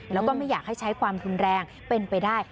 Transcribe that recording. แล้วก็ไม่อยากให้ใช้ความรุนแรงเป็นไปได้